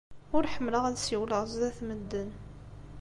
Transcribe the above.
Ur ḥemmleɣ ad ssiwleɣ sdat medden.